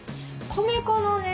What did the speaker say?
米粉のね